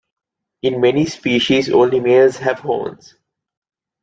In many species only males have horns.